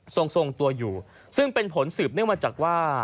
ทรงทรงตัวอยู่ซึ่งเป็นผลสืบเนื่องมาจากว่า